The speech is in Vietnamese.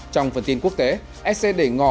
trong phần tin quốc tế sc đẩy ngỏ